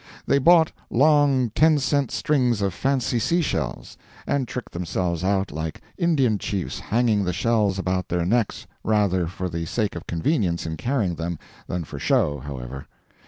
They bought long ten cent strings of fancy sea shells, and tricked themselves out like Indian chiefs hanging the shells about their necks rather for the sake of convenience in carrying them than for show, however.